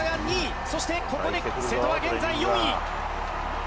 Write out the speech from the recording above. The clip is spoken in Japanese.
ここで瀬戸は現在４位。